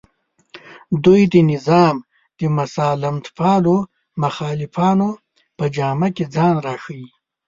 دوی د نظام د مسالمتپالو مخالفانو په جامه کې ځان راښیي